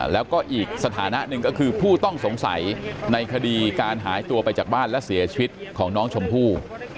แล้วก็อีกสถานะหนึ่งก็คือผู้ต้องสงสัยในคดีการหายตัวไปจากบ้านและเสียชีวิตของน้องชมพู่